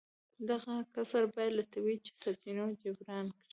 دغه کسر باید له طبیعي سرچینو جبران کړي